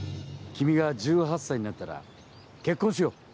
君が１８歳になったら結婚しよう。